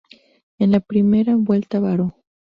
En la primera vuelta varó.